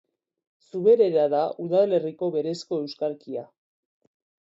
Zuberera da udalerriko berezko euskalkia.